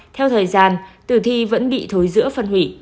theo thời gian tử thi vẫn bị thối giữa phân hủy